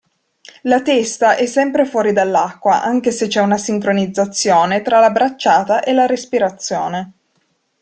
La testa è sempre fuori dall'acqua anche se c'è una sincronizzazione tra la bracciata e la respirazione.